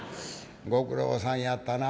「ご苦労さんやったな。